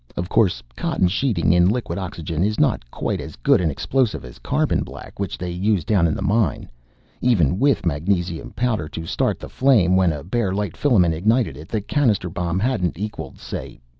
Of course cotton sheeting in liquid oxygen is not quite as good an explosive as carbon black, which they used down in the mine. Even with magnesium powder to start the flame when a bare light filament ignited it, the cannister bomb hadn't equaled say T.